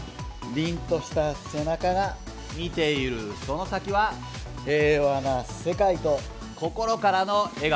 凛とした背中が見ているその先は平和な世界と心からの笑顔。